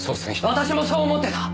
私もそう思ってた。